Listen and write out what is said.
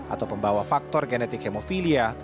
atau pembawa faktor genetik hemofilia